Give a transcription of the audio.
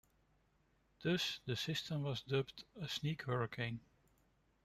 Thus, the system was dubbed "a sneak hurricane".